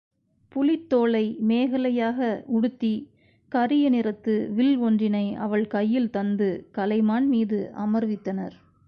புலித்தோலை மேகலையாக உடுத்திக் கரிய நிறத்து வில் ஒன்றினை அவள் கையில் தந்து கலைமான் மீது அமர்வித்தனர்.